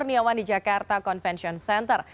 kurniawan di jakarta convention center